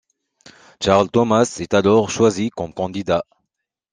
Charles Thomas est alors choisi comme candidat.